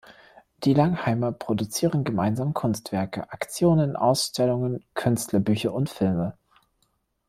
Die Langheimer produzieren gemeinsam Kunstwerke, Aktionen, Ausstellungen, Künstlerbücher und Filme.